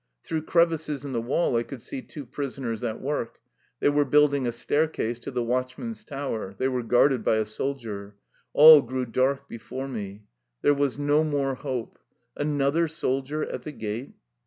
Through crevices in the wall I could see two prisoners at work; they were building a staircase to the watchman's tower. They were guarded by a soldier. All grew dark before me. There was no more hope. Another soldier at the gate!